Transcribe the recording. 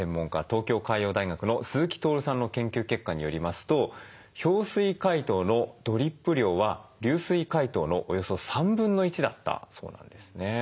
東京海洋大学の鈴木徹さんの研究結果によりますと氷水解凍のドリップ量は流水解凍のおよそ1/3だったそうなんですね。